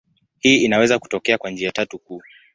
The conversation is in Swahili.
Hii inaweza kutokea kwa njia tatu kuu.